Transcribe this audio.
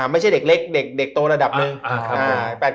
ไม่ใช่เด็กเล็กเด็กโตระดับหนึ่ง